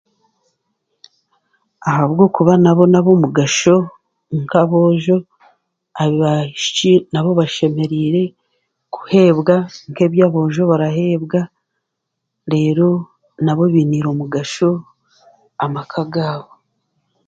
Ahabwokuba nabo n'ab'omugasho nk'aboojo, abaishiki nabo bashemereire kuheebwa nk'eby'aboojo baraheebwa, reero nabo bainiire omugasho amaka gaabo.